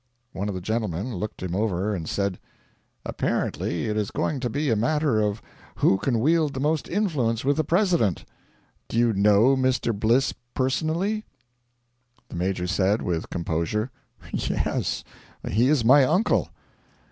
One of the gentlemen looked him over and said: 'Apparently it is going to be a matter of who can wield the most influence with the President. Do you know Mr. Bliss personally?' The Major said, with composure: 'Yes; he is my uncle.'